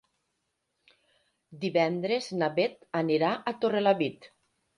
Divendres na Beth anirà a Torrelavit.